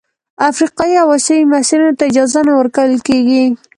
افریقايي او اسیايي محصلینو ته اجازه نه ورکول کیږي.